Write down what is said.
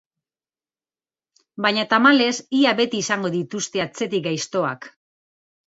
Baina, tamalez, ia beti izango dituzte atzetik gaiztoak.